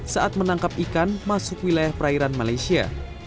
saat menangkap ikan masuk wilayah perairan malaysia